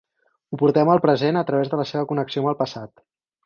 Ho portem al present a través de la seva connexió amb el passat.